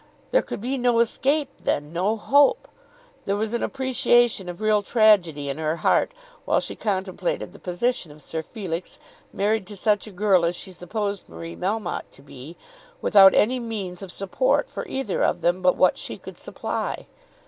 There could be no escape then; no hope. There was an appreciation of real tragedy in her heart while she contemplated the position of Sir Felix married to such a girl as she supposed Marie Melmotte to be, without any means of support for either of them but what she could supply.